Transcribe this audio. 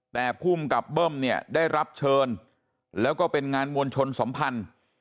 แต่ผู้อุ้มกับเบิ้มได้รับเชิญแล้วก็เป็นงานมวลชนสมพันธ์